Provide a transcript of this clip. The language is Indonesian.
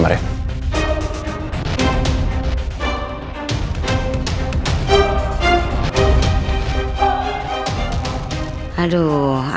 apa orangnya berhantu mantan